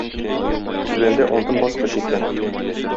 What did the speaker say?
Түбәндә алтын баскыч икән.